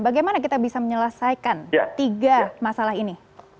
bagaimana kita bisa menyelesaikan tiga masalah ini